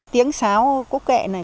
tiếng sáo cúc kẹ này